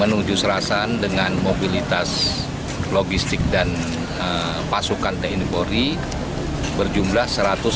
menuju serasan dengan mobilitas logistik dan pasukan tni polri berjumlah satu ratus enam puluh